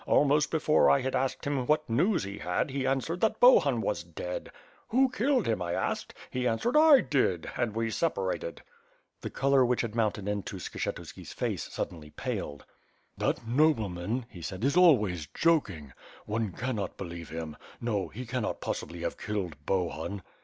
Almost before I had asked him what news he had, he answered that Bohun was dead. *Who killed him?' I asked. He answered, 1 did' — and we separated." The color which had mounted into Skshetuski's face sud denly paled. "That nobleman," he said, "is always joking. One cannot believe him; no, no, he cannot possibly have killed Bohun."